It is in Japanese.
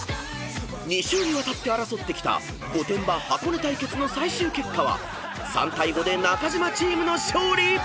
［２週にわたって争ってきた御殿場・箱根対決の最終結果は３対５で中島チームの勝利！］